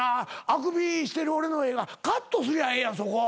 あくびしてる俺の絵カットすりゃええやんそこ。